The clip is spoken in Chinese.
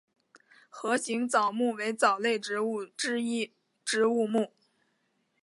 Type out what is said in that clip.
盒形藻目为藻类植物之一植物目。